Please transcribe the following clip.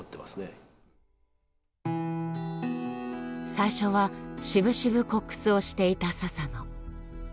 最初はしぶしぶコックスをしていた佐々野。